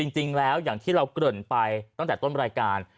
จริงแล้วอย่างที่เราเกริ่นไปตั้งแต่ต้นรายการ